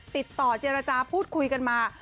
ติดต่อเจรจาพูดคุยกันมา